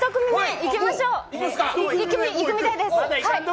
いくみたいです。